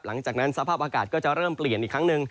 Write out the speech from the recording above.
หลังจากนั้นสภาพอากาศก็จะเริ่มเปลี่ยนอีกครั้งหนึ่ง